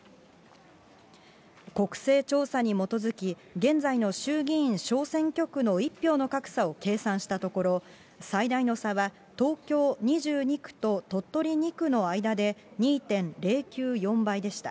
国勢調査に基づき、現在の衆議院小選挙区の１票の格差を計算したところ、最大の差は、東京２２区と鳥取２区の間で２．０９４倍でした。